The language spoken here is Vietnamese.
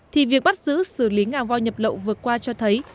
thì việc bắt giữ xử lý ngà voi nhập lậu vừa qua cho thấy